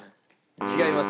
違います。